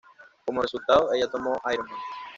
Como resultado, ella tomó Iron Man.